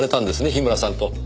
樋村さんと。